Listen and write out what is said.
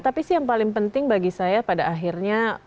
tapi sih yang paling penting bagi saya pada akhirnya